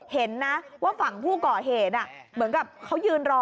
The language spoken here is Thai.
เห็นนะว่าฝั่งผู้ก่อเหตุเหมือนกับเขายืนรอ